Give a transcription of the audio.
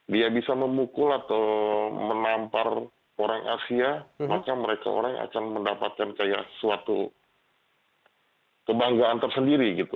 dia bisa memukul atau menampar orang asia maka mereka orang yang akan mendapatkan kayak suatu kebanggaan tersendiri gitu